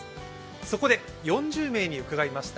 そこで４０名に伺いました。